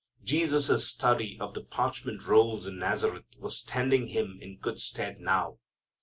Jesus' study of the parchment rolls in Nazareth was standing Him in good stead now.